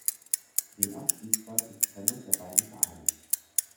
Dem Abstieg folgte die Trennung der beiden Vereine.